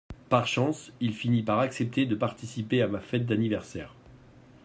Par chance, il finit par accepter de participer à ma fête d’anniversaire.